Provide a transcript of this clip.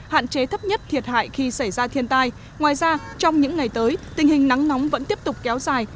hạn chế thấp nhất thiệt hại khi xảy ra thiên tai ngoài ra trong những ngày tới tình hình nắng nóng vẫn tiếp tục kéo dài